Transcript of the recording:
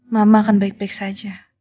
mama akan baik baik saja